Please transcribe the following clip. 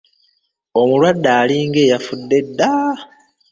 Omulwadde alinga eyafudde edda!